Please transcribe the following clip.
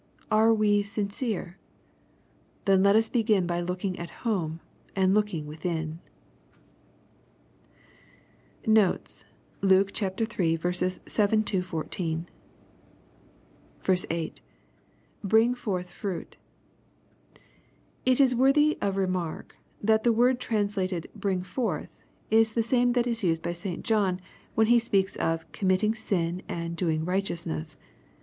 Are we sincere ? Then let us begin by looldng at home, and looking within. Notes. Luke HI. 7 — 14. 8. — [Bring forth fruit] It is worthy of remark, that the word trans lated " bring forth," is the same that is used by St. John, when he speaks of " committing sin," and " doing righteousness."